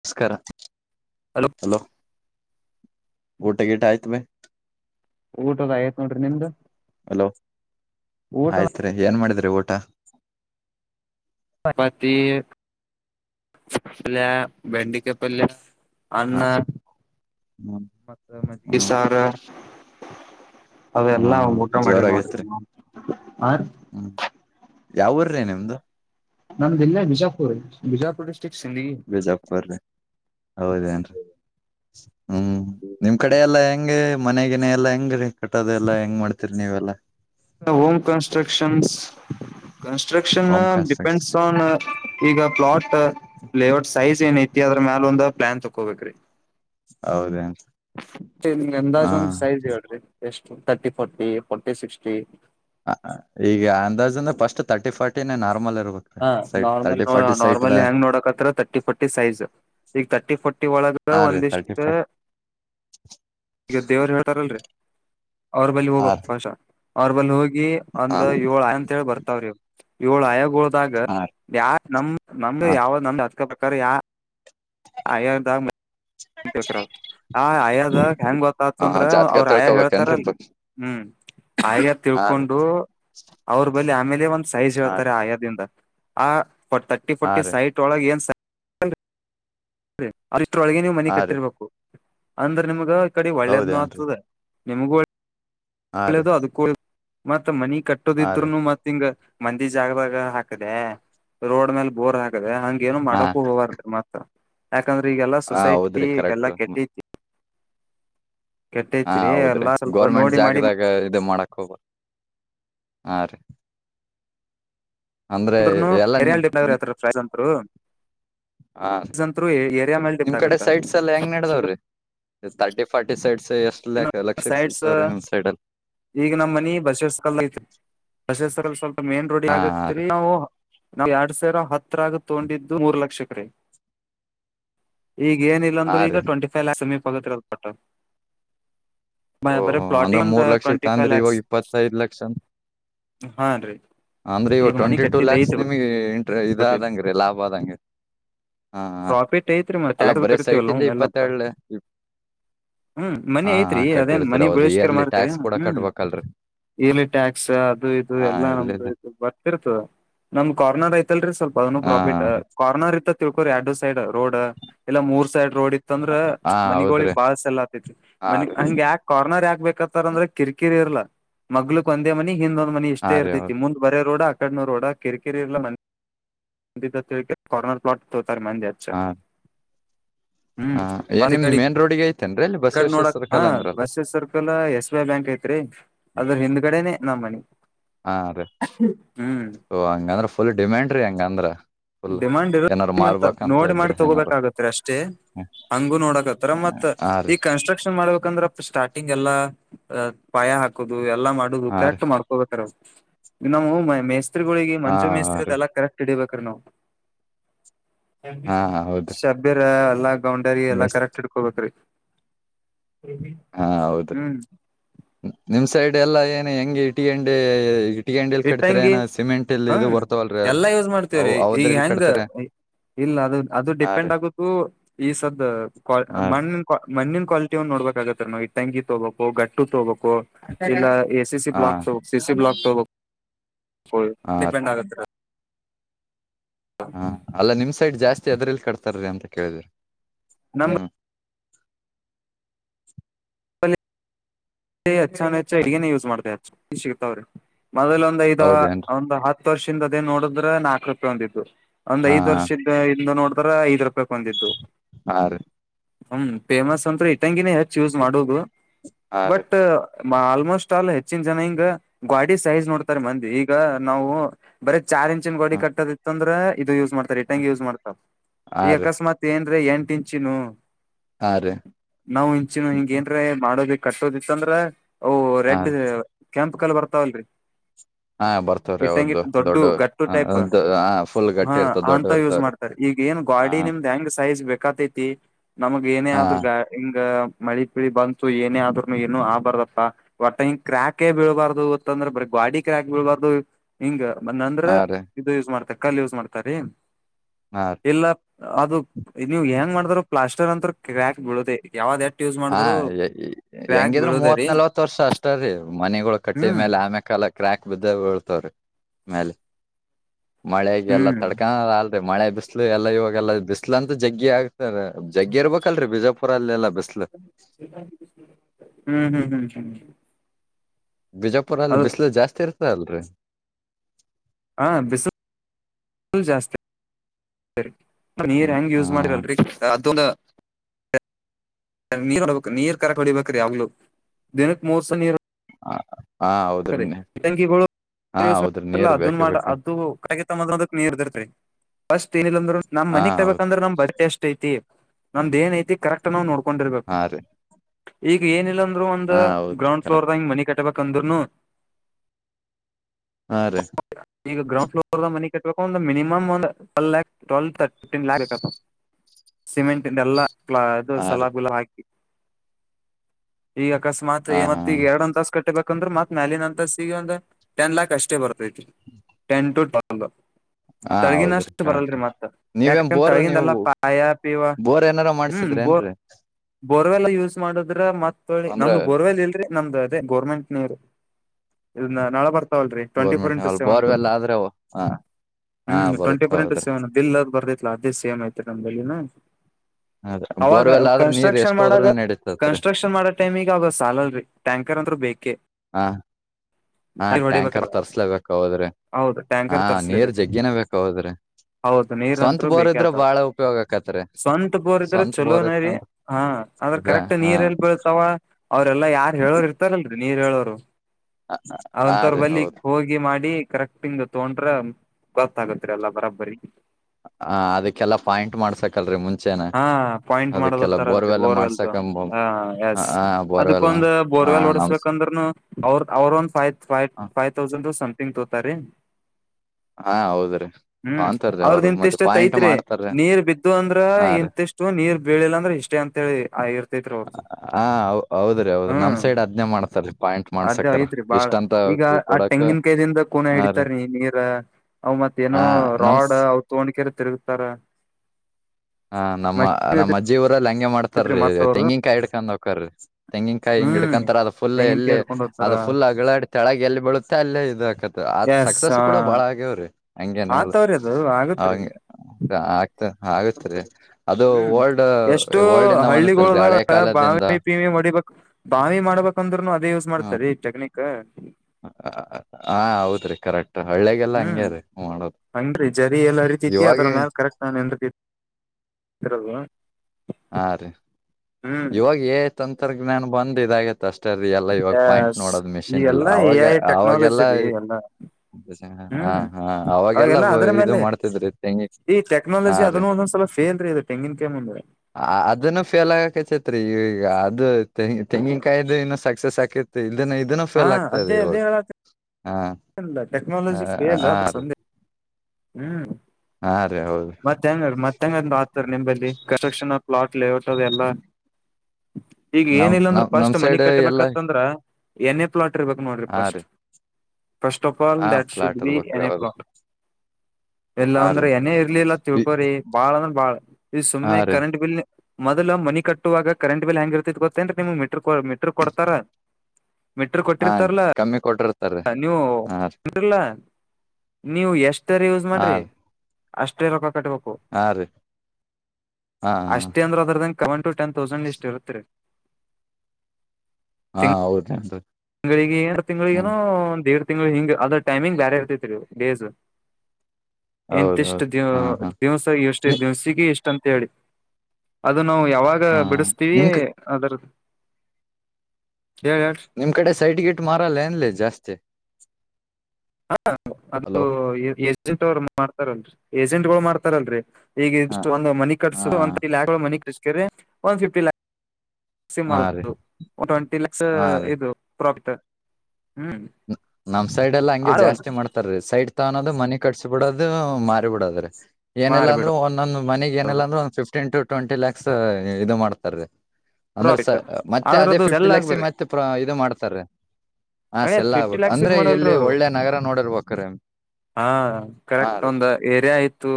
ನಮಸ್ಕಾರ. ಹಲೋ,, ಊಟ-ಗಿಟ್ ಆಯ ತುಮ ಊಟದ ಆಯ್ತ್ ನೋಡ್ರಿ ನಿಮ್ದು. ಹಲೋ ಊಟದ ಆಯ್ತ್ರಿ ಏನ್ ಮಾಡಿದ್ರಿ ಊಟ. ಚಪ್ಪಾತಿ ಪಲ್ಯ ಬೆಂಡಿಕಾಯಿಪಲ್ಯ. ಹ ಅನ್ನ ಹ್ಮ್ ಮತ್ತ ಮ ಈ ಹ್ಮ್ ಸರ [unintelligible] ಅವೆಲ್ಲ ಅವ ಊಟ ಹ್ಮ ಮಾಡಿ ನೋಡ್ರಿ ಜೋರಾಗೈತ್ರಿ ನೀ ಆ ಯಾವೂರಿ ನಿಮ್ದು. ನಮ್ದ ಇಲ್ಲೆ ಜಿಲ್ಲೆ ಬಿಜಾಪುರ್, ಬಿಜಾಪುರ ಬಿಜಾಪುರ್ ರೀ ಹೌದೇನ್ರೀ. ಹ್ಮ್, ನಿಮ್ ಕಡೆ ಎಲ್ಲಾ ಹೆಂಗೆ ಮನೆ-ಗಿನೆ ಎಲ್ಲ ಹೆಂಗ ರೀ ಕಟ್ಟೋದೆ ಎಲ್ಲ ಹೆಂಗ್ ಮಾಡ್ತೀರಿ ನೀವೆಲ್ಲಾ. Home constructions. Construction home construction depends on ಈಗ ಪ್ಲಾಟ್ ಲೇಔಟ್ ಸೈಜ್ ಏನ್ ಐತಿ ಅದ್ರ ಮ್ಯಾಲ ಒಂದ ಪ್ಲಾನ್ ತೊಕೋಬೇಕ್ರಿ. ಹೌದ್ರಾ, ನಿವು ಅಂದಾಜು ಒಂದ ಸೈಜ್ ಹೇಳ್ರಿ ಎಷ್ಟು ತರ್ಟಿ ಫೋರ್ಟಿ, ಫೋರ್ಟಿ ಸಿಕ್ಸ್ಟಿ ಈಗ ಅಂದಾಜ್ನ್ ಅಂದ್ರೆ ಫಸ್ಟ್ ತರ್ಟಿ ಫಾರಟಿನೇ ನಾರ್ಮಲ್. ಇರ್ಬೇಕ್ರೀ ಹಾ site normal thirty forty site ದ ನಾರ್ಮಲಿ ಹಂಗ್ ನೋಡಕ್ತ್ರ ತರ್ಟಿ ಫೋರ್ಟಿ ಸೈಜ್. ಈಗ ತರ್ಟಿ ಫೋರ್ಟಿ ಒಳಗ ಹಾ ರೀ ತರ್ಟಿ ಒಂದಿಷ್ಟ ಫಾರ್ಟಿ ಈಗ ದೇವರು ಹೇಳ್ತಾರಲ್ರಿ, ಅವ್ರ ಬಲ್ಲಿ ಹಾ ಹೋಗಬೇಕ್ ರೀ ಫ್ಸ್ಟ್ ಅವ್ರ ಬಲ್ಲಿ ಹೋಗಿ ಹಾ ಒಂದ ಏಳ ಅಂತ ಹೇಳಿ ಬರ್ತಾವ್ರಿ. ಏಳು ಆಯಾಗಳೂದ್ಗ ಹಾ ರೀ ಯ ನಮ್ ನಮ್ಗೆ ಹಾ ಯಾವ್ ನಮಗೆ ಅದಕ ಕರೆ ಯ ಆಯದಾಗ, ಅಂತೇಕ್ರಾವ್ ಆ ಆಯಾದಾಗ ಹೆಂಗ್ ಗೊತ್ತ ಹಾ ಆತ್ದ್ದ್ರ ಜಾತ್ಕ ಅವ್ರ ಆಯಾ ತಿಳ್ಕೊಬೇಕೇನ್ರಿ ಹೇಳ್ತಾರಲ್ಲಿ. ಹ್ಮ್ ಹಆಯಾ ಹಾ ರೀ ತಿಳ್ಕೊಂಡು, ಅವ್ರ ಬಲ್ಲಿ ಆಮೇಲೆ ಒಂದ್ ಸೈಜ್ ಹಾ ಹೇಳ್ತಾರ ರೀ ಆಯದಿಂದ. ಆ ತರ್ಟಿ ಹಾ ಫೋರ್ಟಿ ರೀ ಸೈಟ್ ಒಳಗೆ ಏನ್, ಅಷ್ಟೊಳಗೆ ನೀವು ಮನಿ ಹಾ ರೀ ಕಟ್ಟಿರ್ಬೇಕು ಅಂದ್ರೆ ನಿಮ್ಗ ಕಡೆ ಒಳ್ಳೇದ್ನು ಹೌದೇನ್ರಿ ಆಗ್ತದ. ನಿಮಗೂ ಹಾ ರೀ ಒಳ್ಳೆದು ಅದಕ್ಕ ಮತ್ತ ಮನಿ ಹಾ ರೀ ಕಟ್ಟದಿದ್ರುನು ಮತ್ ಹಿಂಗ, ಮಂದಿ ಜಾಗದಾಗ ಹಾಕದೆ, ರೋಡ್ ಮೇಲೆ ಬೋರ್ ಹಾಕದೆ, ಹಂಗ ಏನು ಹಾ ಮಾಡಕು ಹೋಗಬರ್ದು ಮತ್, ಯಾಕಂದ್ರ ಈಗೆಲ್ಲಾ ಹಾ ಸೊಸೈಟಿ ಹೌದ್ರಿ ಈಗೆಲ್ಲ ಕರೆಕ್ಟ್ ಕೆಟ್ಟೈತಿ. ಹಾ ಕೆಟ್ಟೈತಿರಿ ಹೌದ್ರೀ ಎಲ್ಲಾ ಸ್ವಲ್ಪ ಗೋರ್ಮೆಂಟ್ ನೋಡಿ ಮಾಡಿ ಜಾಗದಾಗ, ಈ ಇದು ಮಾಡಕ್ ಹೋಗಬ ಹಾ ರೀ, ಅಂದ್ರೆ ಅಂದರುನು ಎಲ್ಲಾ ನೀವ್ ಎರಿಯಲ್ [unintelligible] ಅತ್ರು. ಹಾ ಏರಿಯಾ ರ ಮೇಲೆ ನಿಮ್ ಡಿಪೆಂಡ್ ಕಡೆ ಆಗುತ್ತ ಸೈಟ್ಸ್ ಎಲ್ಲ ಹೆಂಗ್ ನಡದಾವ್ರೀ. ತರ್ಟಿ ಫಾರ್ಟಿ ಸೈಡ್ಸ್ ಎಷ್ಟು ಲೆಾಕ್ ಲಕ್ಷಕ್ಕ ಸೈಡ್ಸ್ ಸಿಗ್ತವ್ರೆ ನಿಮ್ ಸೈಡ್ ಅಲ್ಲಿ. ಈಗ ನಮ್ಮ್ ಮನಿ ಬಸೇಸ್ಕಲ್ ಐತ್ರಿ ಬಸೇಸ್ಲ್ ಸ್ವಲ್ಪ ಮೇನ್ ರೋಡ್ ಹಾ ಆಗ ಹಾ ರೀ ನಾವು ನಾವ ಎರಡ್ ಸಾವಿರ ಹತ್ರರಾಗ ತೊಂಡಿದ್ದು ಮೂರ್ ಲಕ್ಷಕ ರೀ. ಈಗ ಏನಿಲ್ಲಾ ಹಾ ಅಂದ್ರು ಈಗ ರೀ ಟ್ವೆಂಟಿ ಫೈವ್ ಲ್ಯಾಕ್ಸ್ ಸಮೀಪ್ ಅಗತ್ರಿ ಬಟ್ಟ. ಮ ಬರೇ ಪ್ಲಾಟಿಂಗ್ದ. ಅಂದ್ರ್ ಇವಾಗ ಇಪ್ಪತ್ತೈದ ಲಕ್ಷ ಹಾ ರಿ. ಅಂದ್ರೆ ಇವಾಗ ಟ್ವೆಂಟಿ ಟೂ ಲ್ಯಾಕ್ಸ್ ನಿಮಗೆ ಇಂಟ್ರ ಬಿಡ್ರಿ ಇದಾದಂಗ ರೀ ಲಾಭ ಅದಂಗ ರೀ. ಪ್ರಾಫಿಟ್ ಐತ ರಿ ಮತ್ತ ಟ್ಯಾಕ್ಲ್ ಸೈಟ್ ಕಟ್ಟತೀವಲ್ಲ ಇಂದ ಎಲ್ಲಂತ, ಇಪ್ಪತ್ತೆರಡು ಹ್ಮ್ ಮನಿ ಹಾ ಹಾ ಐತ್ರಿ ಅದೇನ್ ಕಟ್ಟಿರ್ತೀರ ಮನಿ ಹೌದು ಬೆಳಸ್ಕರ ಇಯರ್ಲಿ ಮಾರ್ತ್ರಿ. ಟ್ಯಾಕ್ಸ್ ಕೂಡ ಕಟ್ಬೇಕಲ್ರರಿ. ಡೇಲಿ ಟ್ಯಾಕ್ಸ್ ಅದು ಇದು ಹಾ ಎಲ್ಲಾ ನಮ್ದು ಇರ್ಲಿಲ್ಲ ಇದು ಬರ್ತಿರ್ತದ. ನಮ್ ಕಾರ್ನರ್ ಐತಲ್ರರಿ ಸ್ವಲ್ಪ ಅದ ಹಾ ಪ್ರಾಫಿಟ್ ರೀ ಕಾರ್ನರ್ ಇರ್ತದ ತಿಳ್ಕೋರಿ ಎರಡು ಸೈಡ್ ರೋಡ್. ಇಲ್ಲ ಮೂರ್ ಸೈಡ್ ರೋಡ್ ಇತ್ತ ಅಂದ್ರ ಹಾ ಹೌದ್ರಿ ಮನಿಗಳಿಗ್ ಬಾಳ ಸೆಲ್ ಆತೈತ್ರಿ ಹಾ ಮನಿ ರೀ ಹಂಗ ಯಾಕ ಕಾರ್ನರ್ ಯಾಕ, ಹಬೇಕತ್ತಾರ ಅಂದ್ರೆ ಕಿರಿಕಿರಿ ಇರ್ಲ ಮಗ್ಲ್ಕ್ ಒಂದೇ ಮನಿ ಹಿಂದ್ ಒಂದ್ ಮನಿ ಹಾ ಇಷ್ಟೇ ರೀ ಹೌದ ಇರ್ತೈತಿ ಮುಂದ ಬರೇ ರೋಡ್ ಆಗ್ ಕಣೂರ್ ರೋಡ ಕ ಕಿರಿ ಕಿರಿ ಇರ್ಲ್ ಕಾರ್ನರ್ ಪ್ಲಾಟ್ ತೋ ಹಾ [unintelligible] ಹಾ ಏನ್ ನಿಮ್ ಮೇನ್ ರೋಡ್ಗ ಐ ಈ ಕಡೆ ನೋಡಕ್ ಹ ಬಸ circle S B I bank ಐತ್ರಿ ಅದ್ರ ಹಿಂದ್ಗಡೆನೆ ನಮ್ಮ್ ಮನೀ. ಹಾ ರೀ ಓ ಹಂಗಂದ್ರ ಫುಲ್ ಡಿಮ್ಯಾಂಡ್ರಿ ಹಂಗಂದ್ರ. ಫುಲ್ ಡಿಮಾಂಡ್ ಏನಾರ ಇರಂತ ಮಾರ್ಬೇಕಂತ ನೋಡಿ ಮಾಡಿ ಇದ್ರೆ ಏನಾರ ತಗೋಬೇಕಾಗತದ್ರಿ ಅಷ್ಟೇ. ಹಂಗು ನೋಡಕತ್ತಾರ ಮತ್ ಹಾ ರೀ ಈಗ ಕನ್ಸ್ಟ್ರಕ್ಷನ್ ಮಾಡ್ಬೇಕಂದ್ರ ಸ್ಟಾರ್ಟ, ಕಟಿಂಗ್ ಎಲ್ಲ ಪಾಯ ಹಾಕುದು ಎಲ್ಲಾ ಮಾಡುದು ಹಾ ರೀ ಕರೆಕ್ಟ್ ಮಾಡ್ಕೋಬೇಕ್ರಿ ಅವು. ನಾವು ಮೇಸ್ತ್ರಿಗಳಿಗೆ ಹಾ ಮಂಜು ರೀ ಮೇಸ್ತ್ರಿದೆ ಎಲ್ಲಾ ಕರೆಕ್ಟ್ ಹಿಡಿಬೇಕ್ರೀ ನಾವು. ಹಾ ಹೌದ್ರಿ ಶಬೀರ್ ಎಲ್ಲಾ ಗೌನ್ಡ್ರುಗಿ ಎಲ್ಲಾ ಮೆಸ್ ಕರೆಕ್ಟ್ ಹಿಡ್ಕೊಬೇಕೇರಿ. ಹಾ ಹೌದ್ರೀ. ಹ್ಮ್ ನಿಮ್ಸ್ ಸೈಡ್ ಎಲ್ಲ ಏನ ಹೆಂಗೆ ಇಟಗಂಡ್. ಇಟ್ಟಗಂಡಿಲ್ ಕಟ್ತರ ಇಟ್ಟಂಗಿ ಏನ ಸಿಮೆಂಟ್ ಇಲ್ ಇದು ಹ್ಮ್ ಬರ್ತವಲ್ರರಿ ಎಲ್ಲಾ ಯೂಸ್ ಅ ಮಾಡ್ತೇವ್ರಿ ಈಗ ಅವದ್ರಲ್ ಹೆಂಗ ಕಟ್ತರಾ. ಇಲ್ಲ ಅದು ಅದು ಡಿಪೆಂಡ್ ಆಗಬೇಕು ಈ ಸದ್ ಹಾ ರೀ ಮಣ್ಣ ಮಣ್ಣಿನ ಕ್ವಾಲಿಟಿ ಒಂದು ನೋಡ್ಬೇಕು. ಆಗ್ಬೇಕ ಅಗತ್ರಿ ನಾವ್ ಇಟ್ಟಂಗಿ ತೊಬೇಕು ಗಟ್ಟು ತೊಬೇಕು ಇಲ್ಲ ಎಸಿಸಿ ಹಾ ಬ್ಲಾಕ್ ತೊಬೇಕು ಸಿ ಬ್ಲಾಕ್ ತೊ ಬೇಕು. ಹಾ ಡಿಪೆಂಡ್ ಆಗತ್ರಿ ಅದ್. ಹಾ ಅಲ್ಲಾ ನಿಮ್ ಸೈಡ್ ಜಾಸ್ತಿ ಏದ್ರಲ್ ಕಟ್ತಾರಿ ಅಂತ ಕೇಳಿದ್ರಿ. ನಮ ಹ್ಮ್ ಚ್ಚ ಹೆಚ್ಚ ಹಡ್ಗ ಯೂಸ್ ಮಾಡ್ತವೆಚ್ಚ ಸಿಗತಾವ್ರೀ. ಮೊದಲ ಒಂದ್ಐದ ಹೌದೇನ್ರಿ ಒಂದ್ ಹತ್ತು ವರ್ಷಿಂದ ಅದೇ ನೋಡಿದ್ರೆ ನಾಲ್ಕ ರೂಪಾಯಿ ಒಂದ ಇದ್ದು. ಒಂದ್ ಹಾ ಐದ್ ವರ್ಷ್ದ ಇಂದು ನೋಡಿದ್ರ ಐದ್ ರೂಪಾಯಿಕ್ಂದಿದ್ದು. ಹಾ ರೀ ಹ್ಮ ಫೇಮಸ್ ಅಂತ್ರ ಇಟ್ಟಂಗಿನೇ ಚೂಸ್ ಮಾಡೋುದು ಹಾ ರೀ ಬಟ್ ಆಲ್ಮೋಸ್ಟ್ ಆಲ್ ಹೆಚ್ಚಿನ ಜನ ಹಿಂಗ ಗಾಡಿ ಸೈಜ್ ನೋಡ್ತಾರೆ ಮಂದಿ ಈಗ ನಾವು ಬರೆ ಚಾರ್ ಇಂಚಿನ ಗೋಡಿ ಹ್ಮ್ ಕಟ್ಟದ ಇತ್ತ ಅಂದ್ರೆ ಇದು ಯೂಸ್ ಮಾಡ್ತಾರೆ ಇರಿಟರ್ಂಗ್ ಯೂಸ್ ಮಾಡ್ತಾರ ಹಾ ಈ ರೀ ಅಕಸ್ಮಾತ್ ಏನ್ ಅಂದ್ರೆ ಎಂಟಿಂಚಿನು. ಹಾ ರೀ. ಹಿಂಗೇನ್ ಮಾಡೋದ ಕಟ್ಟೋದಿತ್ತ ಅಂದ್ರ ಅವು ಹಾ ರೆಡ್ ರೀ ಕಂ ಪಲ್ಲ ಬರ್ತಾವಲ್ರರಿ. ಹಾ ಬರ್ತವ್ರಿ ಇಟ್ಟಂಗ ಹೌದು ಇಟ್ಟ ದೊಡ್ಡ ದೊಡ್ಡವ್ರ ಗಟ್ಟು ಟೈಪ್ ಹ ಫುಲ್ ಹಾ ಗಟ್ಟಿ ಇರ್ತವ ಅಂತ ದೊಡ್ಡವ್ ಯೂಸ್ ಇರ್ತವ್ರಿ ಮಾಡ್ತಾರೆ. ಈಗ ಏನ್ ಹಾ ಗ್ವಾಡಿ ನಿಮ್ದ್ ಹೆಂಗ್ ಸೈಜ್ ಬೇಕತೈತಿ ನಮಗ ಏನೇ ಹಾ ಆದ್ರ ಗಾ ಹಿಂಗ. ಮಳಿ ಪೀಳಿ ಬಂದು ಏನೇ ಆದ್ರರುನು ಏನು ಆಬಾರ್ದಪ್ಪ ಒಟ್ಟಗಿ ಕ್ರ್ಯಾಕೇ ಬೀಳ್ಬಾರ್ದು ಅಂದ್ರೆ ಬರ್ಗ್ಬ ಬಾಡಿ ಕ್ರ್ಯಾಕ್ ಬೀಳ್ಬಾರ್ದು ಹಿಂಗ. ಂದ್ರ ಹಾ ರೀ ಇದು ಯೂಸ್ ಮಾಡ್ತಾರೆ ಕಲ್ಲು ಯೂಸ್ ಮಾಡ್ತಾರಿ ಹಾ ರೀ ಎಲ್ಲ ಅದು. ನೀವು್ ಹೆಂಗ ಮಾಡಿದ್ರರು ಪ್ಲಾಸ್ಟರ್ ಅಂತ ಕ್ರ್ಯಾಕ್ ಬೀಳುದೆ ಯಾವ್ದಷ್ಟ ಹ ಹೆಂಗಿದ್ರು ಬೀಳುದ ಮೂವತ್ ರೀ ನಲ್ವತ್ ವರ್ಷ ಅಷ್ಟ ರೀ ಮನಿಗಳು ಹ್ಮ್ ಕಟ್ಟಿದ್ಮೇಲೆ ಆಮೇಕಲ್ಲಾ. ಕ್ರ್ಯಾಕ್ ಬಿದ್ದ ಬಿಳ್ತವ್ರಿ ಮೇಲೆ ಮಳೆಗೆಲ್ಲ ಹ್ಮ್ ತಡ್ಕ ಮಳೆ ಬಿಸ್ಲು ಎಲ್ಲ ಇವಾಗೆಲ್ಲ ಬಿಸ್ಲು ಅಂತ ಜಗ್ಗಿಯಗ ಸ ಜಗ್ಗೆ ಇರ್ಬೇಕಲ್ರರಿ ಬಿಜಾಪುರ ಅಲ್ಲೆಲ್ಲ ಬಸ್ಲು. ಹ್ಮ್ ಹ್ಮ್ ಹ್ಮ್ ಹ್ಮ್. ಬಿಜಾಪುರಲ್ಲಿ ಅದು ಬಿಸಿಲು ಜಾಸ್ತಿ ಇರ್ತಲ್ರಿ. ಹಾ ಬಿಸಿಲು ಬ ಜಾಸ್ತಿ ಸರಿ. ನೀರ್ ಹ್ಮ್ ಹೆಂಗ್ ಯೂಸ್ ಹ್ಮ್ ಮಾಡರಲ್ರಿ ಅದು. ನೀರ್ ಕೊಡ್ಬೇಕ ನೀರ್ ಕರ ಕೊ ಹೊಡಿಬೇಕ್ರೀ ಯಾವ್ಲುೂ ದಿನಕ್ಕೆ ಮೂರ್ಸ ನೀರ್. ಹಾ ಹೌದ್ರಿ ಇಟ್ಟಂಗಿಗಳು. ಹಾ ಯ ಹೌದ್ರಿ ಮಾಡ ನೀರ್ ಅದನ್ ಬೇಕೇ ಮಾಡ ಬೇಕು ಅದು ಕೈಗತ್ತ ಅದಕ್ ನೀರ್ ಇದಿರ್ತ್ರಿ. ಸ್ಟ್ ಏನಿಲ್ಲ ಅಂದ್ರ ನ ಹಾ ಮಗ್ ಕಾಯಬೇಕಂದ್ರ ಹೌದ್ರಿ ನಮ್ ಬರ್ತಿ ಅಷ್ಟ್ ಐ ನಮ್ದ ಏನ್ ಐತಿ ಕರೆಕ್ಟ್ ನವು ನೋಡ್ಕೊಂಡಿರ್ಬೇಕು ಹಾ ರೀ ಈಗ ಏನಿಲ್ಲ ಅನ್ ಅಂದರು ಒಂದು ಹಾ ಹೌದ್ರಿ ಗ್ರೌಂಡ್ ಕರೆಕ್ಟ್ ಫ್ಲೋರ್ದಂಗ ಮನಿ ಕಟ್ಟಬೇಕ ಅಂದ್ರರುನು. ಹಾ ರೀ ಈಗ ಗ್ರೌಂಡ್ ಫ್ಲೋರದಾಗ ಮನಿ ಕಟ್ಬೇಕು ಒಂದು ಮಿನಿಮ್ ಒಂದ ಟ್ವೀಲ್ ಲಾಕ್ ತರ್ತೀನ ಲಾಕ್ ಬೇಕ. ಸಿಮೆಂಟ್ ಇಂದ ಎಲ್ಲ ಅದು ಹಾ ರೀ ಸಲಾಬ್ ಬಿಲಾ ಹಾಕಿ. ಈಗ ಅಕಸ್ಮಾತ್ ಹಾ ಹಾ ಮತ್ತ ಈಗ ಎರಡೊಂದ್ ತಾಸ ಕಟ್ಟಬೇಕಂದ್ರೆ ಮತ್ ಸಿ ಒಂದು ಟೆನ್ ಲಾಕ್ ಅಷ್ಟೇ ಬರ್ತೈ ಟೆನ್ ಟು ಟ್ವೀಲ. ಹಾ ಹೌದ್ರಿ ತಳ್ಗಿನಷ್ಟ್ ಕರೆಕ್ಟ್ ಬರಲ್ರಿ ಮತ್ತ್ ನೀವೇನ್ ಯಾಕಂದ ಬೋರ್ ನೀವು ತಳಗಿಂದಲ್ಲ ಪಾಯ ಪೀವ ಬೋರ್ ಹ್ಮ್. [unintelligible] ಬೋರ್ವೆಲ್ ಯೂಸ್ ಮಾಡುದ್ರ ಮತ್ತಳಿ ಅಂದ್ರ ನಮ್ದು ಬೋರ್ವೆಲ್ ಇಲ್ರಿೀ ನಮ್ದು ಅದ ಗೋರ್ಮೆಂಟ್ ನೀರು. ನ ನಳಾ ಬರ್ತಾವಲ್ರರಿ ಟ್ವೆಂಟಿ ಫೋರ್ ಗೋರ್ಮೆಂಟ್ ಇಂಟು ಅಲ್ಲಿ ಸೆವೆನ್ದು. ಬೋರ್ವೆಲ್ ಆದ್ರೆ ಹ ಹಾ ಹ್ಮ್ ಟ್ವೆಂಟಿ ಬರುತ್ತ ಫೋರ್ ಇಂಟು ಹೌದ್ರಿ ಸೆವೆನ್ ಬಿಲ್ ಅದು್ ಬರ್ದೈತ್ಲ ಅದೇ ಸೇಮ್ ಐತ್ ನಮ್ದಲ್ಲಿನ. ಹೌದ್ರ ಅವಾಗ ಬೋರ್ವೆಲ್ ಆದ್ರೆ ನೀರ್ ಕನ್ಸ್ಟ್ರಕ್ಷನ್ ಎಷ್ಟ ಮಾಡಾಗ ಹೋದ್ರರು ನಡೀತತ್ರಿ ಕನ್ಸ್ಟ್ರಕ್ಷನ್ ಮಾಡೋ ಟೈಮಗ ಆ ಸ್ಯಾಲಲ್ರಿ. ಟ್ಯಾಂಕರ್ ಅಂದ್ರರು ಬೇಕೇ. ಹಾ. ಹಾ ಟ್ಯಾಂಕರ್ ಹೊಡಿಬೇಕ ತರ್ಸ್ಲೇಬೇಕ ಹದ್ರಿ ಹೌದು ಹ ಟ್ಯಾಂಕರ್ ತರ್ಸ್ಲೇಬೇಕು ನೀರ್ ಜಗ್ಗಿನ ಬೇಕ ಹೌದ್ರಿ. ಹೌದು ಸ್ವಂತ ನೀರತ್ರು ಬೋರ್ ಬೇಕೇ ಇದ್ರ ಆತವ್ರ ಬಾಳ ಉಪಯೋಗ ಆಕತ್ರಿ ಸ್ವಂತ ಬೋರ ಇದ್ರೆ ನ ಸ್ವಂತ ಬೋರ್ ಇತ್ತ ಚಲೋನರಿ ಹಾ. ಆದ್ರ ಇಬ್ರಾ ಕರೆಕ್ಟ್ ಹಾ ನೀರ್ ಎಲ್ಲಿ ಬೀಳ್ತಾವ ಅವ್ರೆಲ್ಲ ಯಾರ್ ಹೇಳೋರ್ ಇರ್ತಾರಲ್ರರಿ ನೀರ್ ಹೇಳೋರು. ಆ ಹಂತವರ ರೀ ಬಲಿ ಹೌದು ಹೋಗಿ ಮಾಡಿ. ಕರೆಕ್ಟ್ಂಗ ತೊೊಂಡ್ರ ಗತ್ ಆಗತ್ರಿ ಅಲ್ಲ ಬರಾಬ್ಬರಿ. ಹ ಅದಕ್ಕೆಲ್ಲಾ ಪಾಯಿಂಟ್ ಮಾಡ್ಸಕಲ್ರಿ ಮುಂ ಹಾ ಪಾಯಿಂಟ್ ಮಾಡೋದು ಹೊತ್ತಾರಲ್ರಿ ಬೋರ್ವೆಲ್ದು ಮಾಡ್ಸಕ ಹ ಎಸ್ ಆ ಬೋರ್ವೆಲ್ ಅದಕ್ಕೊಂದು ಬೊ ಹಾ ಪರ್ವೆಲ್ ನಮ್ ಓಡಸ್ಬೇಕ ಅಂದ್ರನು ಅವ್ರ ಅವ್ರ ಒಂದ ಫೈ್ ಫೈವ್ ಫೈವ್ ತೌಸಂಡ್ ಸಮ್ಥಂಗ್ ತಕೋತರಿ ಹಾ ಹೌದ್ರಿ ಹ್ಮ್ ತಗೊಂತಾರೀ ಅವ್ರ ಅವ್ರು ಮತ್ತೆ ನಿಂತಿಷ್ಟ ಪಾಯಿಂಟ್ ಐತ್ರಿ ಮಾಡ್ತಾರೀ ನೀರ್ ಬಿದ್ದು ಅಂದ್ರ ಹಾ ರೀ ತೆಷ್ಟು ನೀರ್ ಬೀಳಿಲ್ಲ ಅಂದ್ರೆ ಇಷ್ಟೇ ಅಂತ ಹೇಳಿ ಆ ಇರ್ತತ್ರಿ ಅವ್ರದು ಹ ಹೌದ್ರೀ ಹೌದ್ರಿ ನಮ್ ಹ್ಮ್ ಸೈಡ್ ಅದ್ನೇ ಮಾಡ್ತ ರೀ ಪಾಯಿಂಟ್ ಮಾಡ್ಸಕ್ರ ಇಷ್ಟ ಅಂತ ಕೊಡಕ್ ಹಿಂಗ್ ಕೈದಿಂದ ಕೂನ ಹಿಡಿತಾರ ನೀರ ಅವ ಮತ್ ಏನೋ ಹಾ ರಾಡ್ ನಮ್ಸ್ ಅವ್ರು ತೊಗೊಂಡಕಿರ ತಿರುಗ್ತಾರಾ ಹಾ ನಮ್ಮ ನಮ್ಮ ಅಜ್ಜಿ ಊರಲ್ಲ ಹಂಗೆ ಮಾಡ ಮತ್ ಇರ್ರಿ ಅವರು ತೆಂಗಿನಕಾಯಿ ಹಿಡ್ಕೊಂಡ್ ಹಕ್ರರಿ ತೆಂಗಿನ್ಕಾಯಿ ಹಿಂಗ ಹ ಹ್ಮ್ ಇಡ್ಕಂತರ ಅದ ಫುಲ್ ತೆಂಗಿನಕಾಯಿ ಎಲ್ಲಿ ಹಿಡ್ಕೊಂಡ್ ಹೋಗ್ತಾರ ಅದು ಫುಲ್ ಅಗಳಾಡಿ ತಳಗೆ ಎಲ್ಲಿ ಬೀಳುತ್ತೆ ಅಲ್ಲೇ ಇದ ಹಾಕ್ ಅ ಎಸ್ ಸಕ್ಸಸ್ ಕೂಡ ಬಾಳ ಆಗ್ಯವ್ರೀ ಹಂಗೆನು ಇಲ್ಲ ಆತವ್ರಿ ಅದು ಹಂಗೆ ಆಗ್ತ ಆಗತ್ರಿ ಸರಿ ಅದು ಹ್ಮ್ ಓಲ್ಡ್ ಎಷ್ಟು ಓಲ್ಡ್ ಇಂದ ಹಳ್ಳಿ ಬಂದತ್ತಲ್ರಿ ಹೊದಾಗ ಹಳೆ ಕಾಲದಿಂದ ಬಾವಿ ಪ್ರೀಮಿ ಮಾಡಿಬೇಕು ಬಾವಿ ಮಾಡ್ಬೇಕಂದ್ರುನು ಅದೇ ಯೂಸ್ ಮಾಡ್ತಾರ ಟೆಕ್ನಿಕ್ ಹ ಹೌದ್ರಿ ಕರೆಕ್ಟ್ ಹಳ್ಳಿಗೆಲ್ಲಾ ಹ್ಮ್ ಹಂಗೇ ರೀ ಮಾಡೋದು ಹಂಗ್ರರಿ ಜರಿ ಎಲ್ಲ ಅರಿತತಿ ಇವಾಗ ಅದ್ರ ಮ್ಯಾಲ ಕರೆಕ್ಟ್ ನಾನ್ [unintelligible] ಇರದು ಹಾ ರೀ ಇವಾಗ ಏ ತಂತ್ರಜ್ಞಾನ ಬಂದ್ ಇದಾಗತ್ತ ಕಷ್ಟ ರಿ ಯಲ್ಲಾ ಇವಾಗ ಪಾಯಿಂಟ್ ಎಸ್ ನೋಡದ್ ಮೆಷಿನ್ ಎಲ್ಲ ಈಗೆಲ್ಲಾ ಎ ಅವಾಗ ಐ ಅವಾಗೆಲ್ಲ ಟೆಕ್ನಾಲಜಿ ರೀ ಎಲ್ಲ ಹಾ ಹ್ಮ್ ಹಾ ಅವಾಗೆಲ್ಲ ಅವೆಲ್ಲಾ ಅದ್ರ ಇದು ಮೇಲೆ ಮಾಡ್ತಿದ್ರಿ ತೆಂಗಿ ಹಾ ರೀ ಸೇಂದ್ರೀ ಇದು ತೆಂಗಿನಕಾಯಿ ಮುಂದ ಅದನ್ನು ಫೇಲ್ ಆಗಕೈತತ್ರಿ ಈಗ ಅದುಂಗ ತೆಂಗಿನನ್ಕಾಯ್ದು ಇನು ಸಕ್ಸಸ್ ಆಕೇತಿ ಇಲ್ ಹಾ ಅದೇ ಅದೇ ಹಾ ಹೇಳಲ್ಲ ಹಾ ಟೆಕ್ನಾಲಜಿ ಫೇಲ್ ಹಾ ಅದು ರೀ ಸಂದೆ ಹ್ಮ್ ಹಾ ರೀ ಹೌದು ಮತ್ತೆ ಹೆಂಗಾರ ಮತ್ತೆ ಹೆಂಗ ನಿಂಬಲ್ಲಿ ಕನ್ಸ್ಟ್ರಕ್ಷನ್ ಪ್ಲಾಟ್ ಲೇಔಟ್ ಅದು ಎಲ್ಲ ಈಗ ನಮ್ ಏನಿಲ್ಲಾಂದ್ರ ನಮ್ ಫಸ್ಟ್ ನಮ್ ಮನಿ ಸೈಡ್ ಎಲ್ಲಾ ಕಟ್ಬೇಕತ್ತಂದ್ರ ಎನ್ ಎ ಪ್ಲಾಟ್ ಇರ್ಬೇಕು ನೋಡ್ರಿ ಹಾ ಪಫಸ್ಟ್ ರೀ ಫಸ್ಟ್ ಆಫ್ ಆಲ್ ಹಾ ದಟ್ ಶುಡ್ ಫ್ಲಾಟ್ ಬಿ ಇರ್ಬೇಕ್ರಿ ಎನ್ ಎ ಅವ್ರ ಪ್ಲಾಟ್ ಎಲ್ಲ ಹಾ ಅಂದ್ರೆ ರೀ ಏನೇ ಇರ್ಲಿಲ್ಲ ಈ- ತಿಳ್ಕೋರಿ ಬಾಳ ಅಂದ್ರೆ ಬಾಳ ಈ ಹಾ ಸುಮ್ಮನೆ ರೀ ಕರೆಂಟ್ ಬಿಲ್ ಮೊದಲು ಮನೆ ಕಟ್ಟುವಾಗ ಕರೆಂಟ್ ಬಿಲ್ ಹೆಂಗ ಇರ್ತೈತಿ ಗೊತ್ತೇ ಅನ್ರಿ ನಿಮ್ಗ್ ಮೀಟ್ರ ಮೀಟ್ರ ಕೊಡ್ತಾರ [inaudible] ಮಿಟ್ರ ಹಾ ಕೊಟ್ಟಿರ್ತಾರಲ್ಲಾ ಕಮ್ಮಿ ಕೊಟ್ಟಿರ್ತಾರೀ ನೀವು ಹಾ ರೀ ಮಿಟ್ರೆಲಾ ಎಷ್ಟ ಯೂಸ್ ಹಾ ಮಾಡ್ರಿ ರೀ ಅಷ್ಟೇ ಬರತ್ತಾ ಕಟ್ಬೇಕು ಹಾ ರೀ ಹಾ ಹಾ ಅಷ್ಟೇ ಅಂದ್ರೆ ಅದರ ಸವೆನ್ ಟು ಟೆನ್ ತೌಸಂಡ್ ಇಷ್ಟ್ ಇರುತ್ ರೀ ಹಾ ಹೌದ ಏನ್ರೀ ತಿಂಗಳಿಗೆ ಏಡ್ ತಿಂಗಳಿಗೆ ಏನೋ ಒಂದೇಡ್ ತಿಂಗಳು ಹಿಂಗ್ ಅದ್ರ ಟೈಮಿಂಗ್ ಬೇರೆ ಇರ್ತೈತಿರಿ ಡೇಸ್ ಹೌದೌದು ಎಂತಿಷ್ಟು ದಿವ್ ಹಾ ಹಾ ದಿವಸ ಎಷ್ಟು ನಿ- ದಿವಸಗ ಇಷ್ಟ ಅಂತ ಹೇಳಿ ಅದನ್ನು ನಾವು ಯಾವಾಗ ಹಾ ಬಿಡಿಸತೀವಿ ನಿಮ್ ಕ ಅದರದ್ದು ಹೇಳ್ ಯಾರ್ ಸೈಡ್ ಗೇಟ್ ಮಾರಲ್ಲ ಏನ್ಲೆ ಜಾಸ್ತಿ ಹ ಅದು ಹಲೋ ಏಜೆಂಟ್ ಅವರು ಮಾಡ್ತಾರಲ್ರಿ ಏಜೆಂಟ್ಗಳು ಮಾಡ್ತಾರಲ್ರರಿ ಈಗ ಇಷ್ಟು ಒಂದು ಮನಿ ಕಟ್ಸ [unintelligible] [unintelligible] ಹಾ ರೀ ಒಂದ್ ಟ್ವೆಂಟಿ ಲ್ಯಾಖ್ಸ್ಸು ಹಾ ರೀ ಇದು ಪ್ರಾಫಿಟ್ ಹ್ಮ ನಮ ಸೈಡ್ ಎಲ್ಲಾ ಹಂಗೆ ಜಾಸ್ತಿ ಮಾಡ್ತಾರೀ ಸೈಡ್ ತಗಾನೋದು ಮನಿ ಕಟ್ಸ ಬಿಡೋದು ಮಾರಿ ಬಿಡೋದ್ರಿ ಏನೆಲ್ಲ ಮಾರಿ ಬಿಡು ಅಂದ್ರರು ಒಂದೊಂದ್ ಮನೆಗ್ ಏನಲ್ಲ ಅಂದ್ರ ಒಂದ ಫಿಫ್ಟೀನ್ ಟು ಟ್ವೆಂಟಿ ಲ್ಯಾಕ್ಸ್ ಇದು ಮಾಡ್ತಾರ್ ರಿ ಅಂದ್ರೆ ಸ ಪ್ರಾಫಿಟ್ ಮತ್ತೆ ಅದೇ ಆದ್ರದು ಫಿಫ್ಟಿ ಸೆಲ್ ಲ್ಯಾಕ್ಸ್ ಆಗ್ಬೇಕ್ರಿ ಮತ್ತೆ ಪ್ರ ಇದು ಮಾಡ್ತಾರ್ ರಿ ಹಂ ಅಯ ಸೆಲ್ ಫಿಫ್ಟಿ ಆಗ್ಬೇಕು ಲ್ಯಾಕ್ಸ್ ಯೂಸ್ ಅಂದ್ರೆ ಮಾಡಲ್ರಿ ಇಲ್ಲಿ ಅವ್ರು ಒಳ್ಳೆ ನಗರ ನೋಡಿರ್ಬೇಕ್ರೀ ಹಾ ಹಾ ಕರೆಕ್ಟ್ ರೀ ಒಂದ ಏರಿಯಾ ಇತ್ತು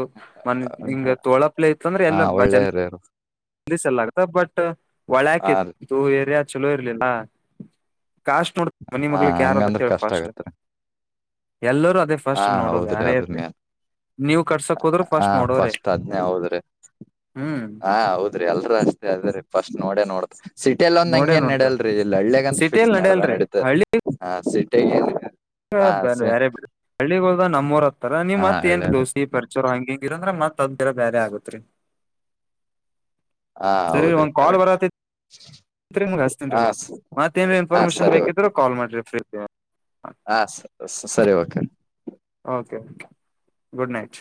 ಒಂದ್ ಹಿಂಗ ತೋಳಪ್ಲೆ ಇತ ಅಂದ್ರೆ ಎಲ್ಲ ಬಜ ಏರೇರು ಸ ಎಲ್ಲ ಆತ ಬಟ್ ಹೊಳೆಕ ಹಾ ರೀ ಇತ್ತು ಏರಿಯಾ ಚಲೋ ಇರ್ಲಿಲ್ಲ ಕಾಸ್ಟ್ ನೋಡ್ ಮನಿ ಹಾ ಮಗ್ಳಕ್ ಹಂಗಂದ್ರ ಯಾರದೇಳ ಕಷ್ಟ ಫಾಸ್ಟ್ ಆಗತ್ರಿ ಎಲ್ಲರೂ ಅದೇ ಹಾ ಫಸ್ಟ್ ನೋಡೋದು ಹೌದ್ರಿ ಯಾರೇ ಅದು ಇರ್ಲಿ ಮೇನ್ ನೀವು ಕಡ್ಸಕ್ ಹೋದ್ರರು ಹಾ ಫಾಸ್ಟ್ ನೋಡವ್ರೆ ಫಸ್ಟ್ ಅದ್ನೇ ಹೌದ್ರಿ ಹ್ಮ್ ಹಾ ಹೌದ್ರಿ ಎಲ್ರೂ ಅಷ್ಟೇ ಅ ಫಸ್ಟ್ ನೋಡ ನೋಡತ ಸಿಟಿಯಲ್ಲಿ ಒಂದ ಹಂಗ ನೋಡೇ ಏನ್ ನೋಡ್ತಾರ ನಡಲ್ರಿ ಹಳ್ಳ್ಯಗಂತ ಫಿಕ್ಸ್ ಸಿಟಿಯಲ್ಲಿ ನಡದ ನಡಿಯಲ್ರಿ ನಡಿತ ಹ ಸಿಟಿ ಹ ಬ ಬೇರೆ ಬಿ ಹಳ್ಳಿಗ್ ಹೋಲ್ದ ನಮ್ಮೂರ್ ಹತ್ತಾರ ನೀವ್ ಹಾ ಮತ್ ಏನ್ ಹಳ್ಳ್ಯಾಗ ದೋಸಿ ಪರಿಚರ ಹಂಗ ಹಂಗಿರಂದ್ರ ಮತ್ ಬೇರೆ ಆಗತ್ರಿ ಹಾ ಸರಿ ಹೌದ್ರಿ ಒಂದ್ ಕಾಲ್ ಕರೆಕ್ಟ್ ಬರ ರಿಮಗ್ ಹಸ್ತನ್ ಹಾ ಮತ್ ಸ- ಮತ್ತೇಏನ್ ಹಾ ಇನ್ಫಾರ್ಮೇಶನ್ ಬೇಕಿದ್ರರು ಕಾಲ್ ಮಾಡ್ರಿ ಫ್ರೀತಿ ಹ ಸರಿ ಓಕೆ ಗುಡ್ ನೈಟ್